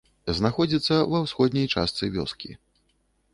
Знаходзіцца ва ўсходняй частцы вёскі.